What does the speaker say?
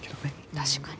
確かに。